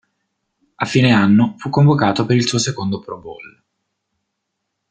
A fine anno fu convocato per il suo secondo Pro Bowl.